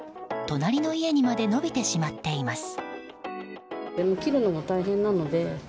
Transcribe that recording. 隣の家にまで伸びてしまっています。